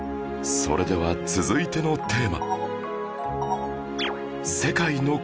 それでは続いてのテーマ